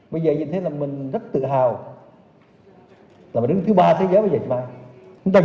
bây giờ nhìn thế là mình rất tự hào là mình đứng thứ ba thế giới với dạy mai